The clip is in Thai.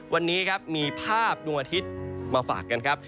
วันนี้ครับมีภาพดวงอาทิตย์มาฝากกันครับ